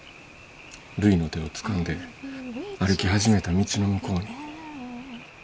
るいの手をつかんで歩き始めた道の向こうに。